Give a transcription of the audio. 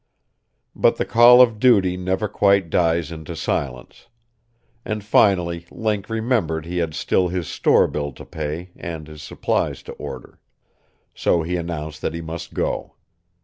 But the call of duty never quite dies into silence. And finally Link remembered he had still his store bill to pay and his supplies to order. So he announced that he must go.